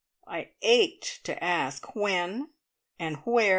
I ached to ask, "When?" and "Where?"